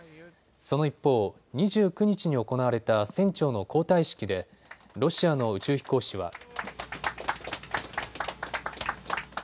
その一方、２９日に行われた船長の交代式でロシアの宇宙飛行士は。